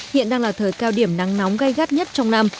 hiện đang là thời cao điểm nắng nóng gây gắt nhất trong năm